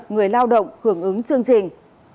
người lao động hưởng ứng chương trình